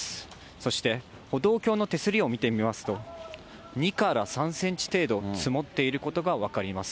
そして、歩道橋の手すりを見てみますと、２から３センチ程度積もっていることが分かります。